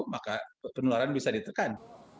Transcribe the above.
maka penularan bisa ditekan